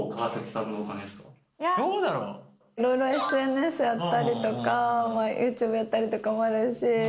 いろいろＳＮＳやったりとかユーチューブやったりとかもあるし。